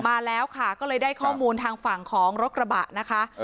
มาแล้วค่ะก็เลยได้ข้อมูลทางฝั่งของรถกระบะนะคะ